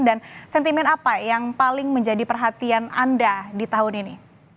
sentimen apa yang paling menjadi perhatian anda di tahun ini